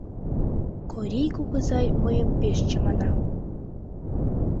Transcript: Корий кугызай мыйым пеш чамана.